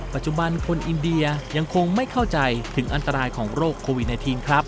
ปัจจุบันคนอินเดียยังคงไม่เข้าใจถึงอันตรายของโรคโควิด๑๙ครับ